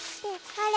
あれ？